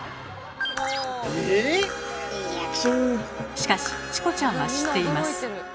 え⁉しかしチコちゃんは知っています。